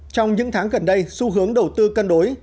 trong những tháng gần đây xu hướng đầu tư cân đối